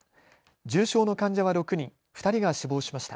重症の患者は６人、２人が死亡しました。